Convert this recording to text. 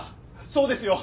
そうですよ！